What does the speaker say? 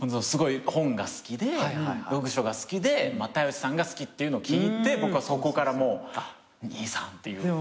すごい本が好きで読書が好きで又吉さんが好きっていうの聞いて僕はそこからもう兄さんていう。